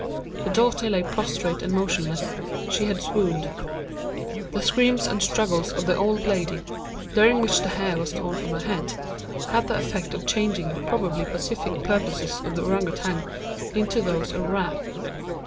The daughter lay prostrate and motionless; she had swooned. The screams and struggles of the old lady (during which the hair was torn from her head) had the effect of changing the probably pacific purposes of the Ourang Outang into those of wrath.